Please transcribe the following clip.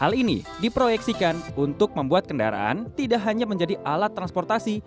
hal ini diproyeksikan untuk membuat kendaraan tidak hanya menjadi alat transportasi